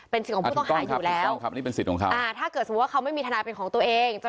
เป็นสิทธิ์ของผู้ต้องหาอยู่แล้วถ้าเกิดสมมุติว่าเขาไม่มีธนายเป็นของตัวเอง